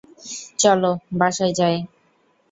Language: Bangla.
চলো, বাসায় যাই।